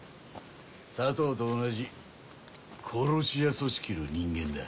佐藤と同じ殺し屋組織の人間だ。